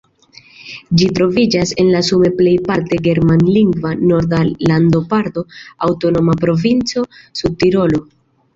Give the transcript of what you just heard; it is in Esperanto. Ĝi troviĝas en la sume plejparte germanlingva norda landoparto Aŭtonoma Provinco Sudtirolo.